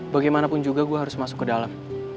bagaimanapun juga gue harus masuk ke dalam